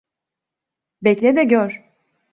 Bekle de gör.